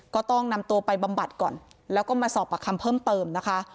ก็ต้องนำตัวไปบำบัดก่อนแล้วก็มาสอบประคำเพิ่มเติมนะคะ